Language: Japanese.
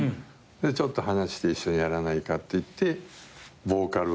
ちょっと話して一緒にやらないかっていってボーカルを迎えて。